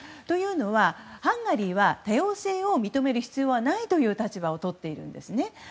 というのは、ハンガリーは多様性を認める必要はないという立場をとっているんですね。